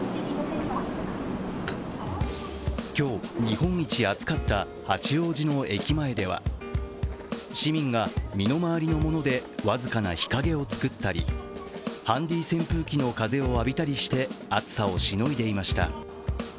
今日日本一暑かった八王子の駅前では市民が身の回りのもので僅かな日陰を作ったり、ハンディ扇風機の風を浴びたりして暑さをしのいでいました。